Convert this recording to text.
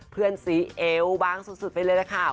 เป็นสีเอวบ้างสุดไปเลยแหละค่ะ